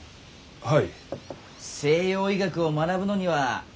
はい。